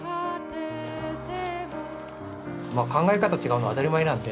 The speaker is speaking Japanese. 考え方違うの当たり前なんで。